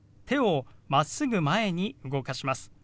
手をまっすぐ前に動かします。